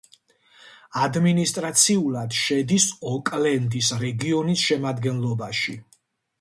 ადმინისტრაციულად შედის ოკლენდის რეგიონის შემადგენლობაში.